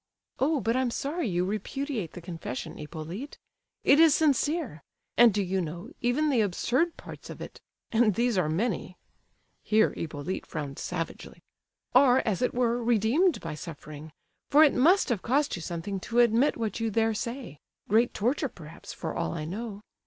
"Oh, but I'm sorry you repudiate the confession, Hippolyte—it is sincere; and, do you know, even the absurd parts of it—and these are many" (here Hippolyte frowned savagely) "are, as it were, redeemed by suffering—for it must have cost you something to admit what you there say—great torture, perhaps, for all I know.